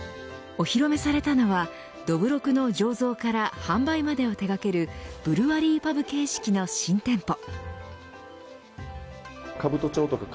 お披露目されたのはどぶろくの醸造から販売までを手掛けるブルワリーパブ形式の新店舗。